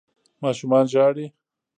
ماشومان ژاړي